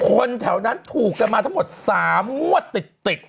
คนแถวนั้นถูกกันมาทั้งหมด๓งวดติด